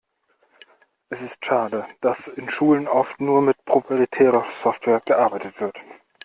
Es ist schade, dass in Schulen oft nur mit proprietärer Software gearbeitet wird.